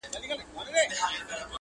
او ستا د خوب مېلمه به!!